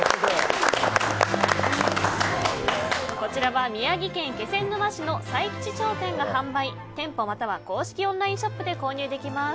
こちらは宮城県気仙沼市の斉吉商店が販売店舗または公式オンラインショップで購入できます。